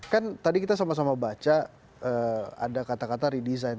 kan tadi kita sama sama baca ada kata kata redesign